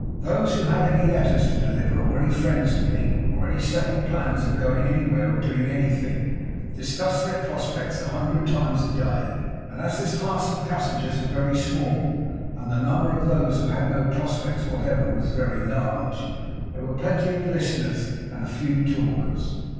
Those who had any letters to deliver, or any friends to meet, or any settled plans of going anywhere or doing anything, discussed their prospects a hundred times a day; and as this class of passengers was very small, and the number of those who had no prospects whatever was very large, there were plenty of listeners and few talkers.